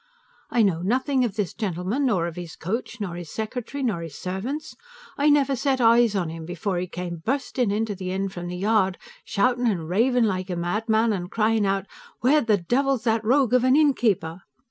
I know nothing of this gentleman, nor of his coach, nor his secretary, nor his servants; I never set eyes on him before he came bursting into the inn from the yard, shouting and raving like a madman, and crying out, "Where the devil's that rogue of an innkeeper?"